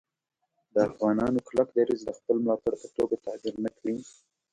د افغانانو کلک دریځ د خپل ملاتړ په توګه تعبیر نه کړي